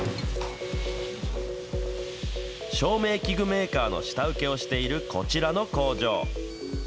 照明器具メーカーの下請けをしているこちらの工場。